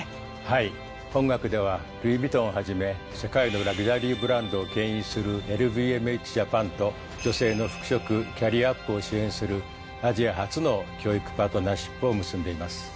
はい本学ではルイ・ヴィトンをはじめ世界のラグジュアリーブランドをけん引する「ＬＶＭＨＪＡＰＡＮ」と女性の復職キャリアアップを支援するアジア初の教育パートナーシップを結んでいます。